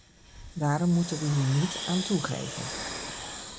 Daarom moet we hier niet aan toegeven.